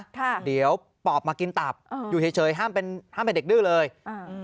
ค่ะเดี๋ยวปอบมากินตับอ่าอยู่เฉยเฉยห้ามเป็นห้ามให้เด็กดื้อเลยอ่า